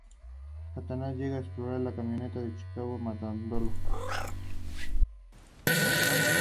El estilo elegido fue rock con elementos de metal gótico, electrónica, industrial y emo.